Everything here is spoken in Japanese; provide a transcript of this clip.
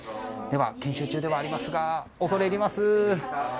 研修中ではありますが恐れ入ります